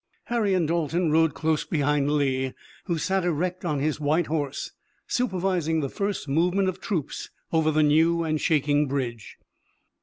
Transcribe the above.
Harry and Dalton rode close behind Lee, who sat erect on his white horse, supervising the first movement of troops over the new and shaking bridge.